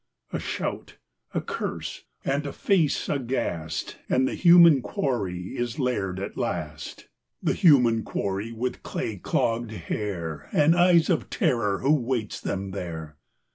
A shout, a curse, and a face aghast, And the human quarry is laired at last. The human quarry with clay clogged hair And eyes of terror who waits them there.